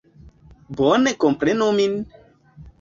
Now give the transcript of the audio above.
Bone komprenu min!